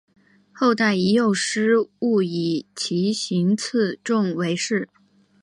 后代以右师戊以其行次仲为氏。